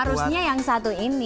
harusnya yang satu ini